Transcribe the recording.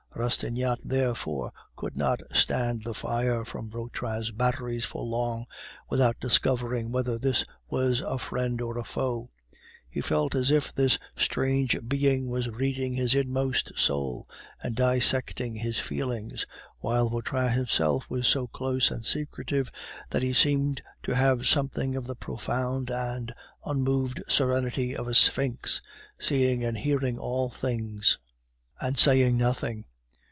Rastignac, therefore, could not stand the fire from Vautrin's batteries for long without discovering whether this was a friend or a foe. He felt as if this strange being was reading his inmost soul, and dissecting his feelings, while Vautrin himself was so close and secretive that he seemed to have something of the profound and unmoved serenity of a sphinx, seeing and hearing all things and saying nothing.